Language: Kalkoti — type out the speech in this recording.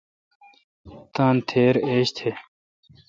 تان تھیر ایج تھ۔